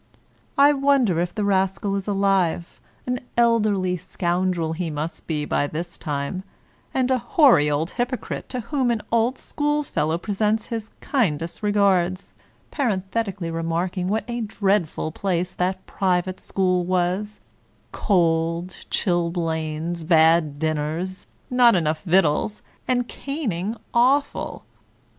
' I wonder if the rascal is alive — ^an elderly scoundrel he 214 William Makepeace Thackeray must be by this time ; and a hoary old hypocrite, to whom an old schoolfellow presents his kindest regards — ^paren thetically remarking what a dreadful place that private school was; cold, chilblains, bad dinners, not enough victuals, and caning awful